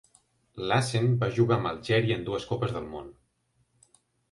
Lacen va jugar amb Algèria en dues Copes del Món.